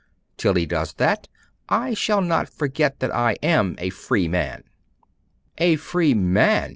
Till he does that, I shall not forget that I am a free man.' 'A free man!